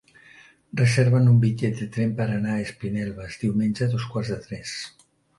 Reserva'm un bitllet de tren per anar a Espinelves diumenge a dos quarts de tres.